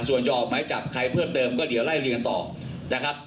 ส่วนจะออกหมายจับใครเพิ่มเติมก็เดี๋ยวไล่เรียนต่อนะครับ